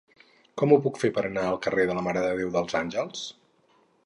Com ho puc fer per anar al carrer de la Mare de Déu dels Àngels?